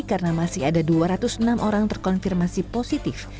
karena masih ada dua ratus enam orang terkonfirmasi positif